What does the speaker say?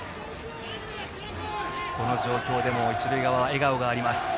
この状況でも一塁側は笑顔があります。